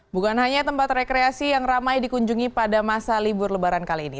bukan hanya tempat rekreasi yang ramai dikunjungi pada masa libur lebaran kali ini